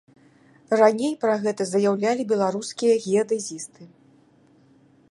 Раней пра гэта заяўлялі беларускія геадэзісты.